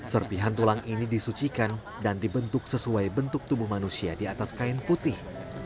serpihan tulang ini disucikan dan dibentuk sesuai bentuk tubuh manusia di atas kain putih